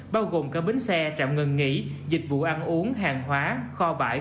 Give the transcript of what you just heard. bao gồm các bến xe trạm ngừng nghỉ dịch vụ ăn uống hàng hóa kho bãi